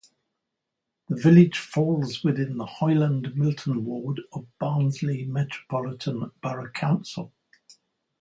The village falls within the Hoyland Milton Ward of Barnsley Metropolitan Borough Council.